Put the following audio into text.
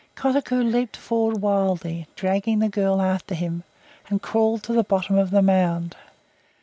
Kotuko leaped forward wildly, dragging the girl after him, and crawled to the bottom of the mound.